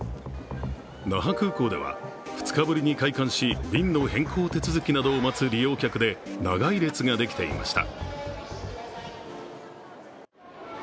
那覇空港では２日ぶりに開館し、便の変更手続きなどを待つ利用客で長い列ができていました。